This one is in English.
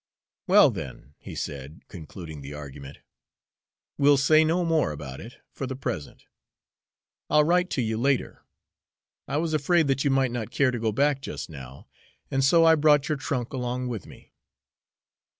"Well, then," he said, concluding the argument, "we'll say no more about it for the present. I'll write to you later. I was afraid that you might not care to go back just now, and so I brought your trunk along with me."